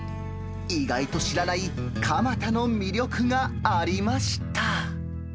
意外と知らない蒲田の魅力がありました。